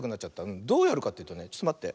どうやるかっていうとねちょっとまって。